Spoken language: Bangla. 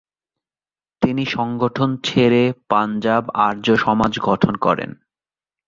তিনি সংগঠন ছেড়ে পাঞ্জাব আর্য সমাজ গঠন করেন।